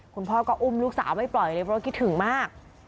คุณพ่อก็อุ้มลูกสาวไม่ปล่อยเลยเพราะคิดถึงมาก